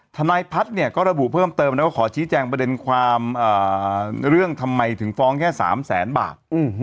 ทนายพัฒน์เนี่ยก็ระบุเพิ่มเติมนะว่าขอชี้แจงประเด็นความเรื่องทำไมถึงฟ้องแค่๓แสนบาท